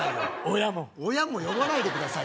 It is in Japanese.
親も親も呼ばないでください